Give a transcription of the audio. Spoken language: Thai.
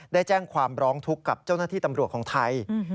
ได้แจ้งความร้องทุกข์กับเจ้าหน้าที่ตำรวจของไทย